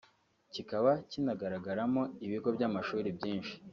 kikaba kinagaragaramo ibigo by’amashuri byinshi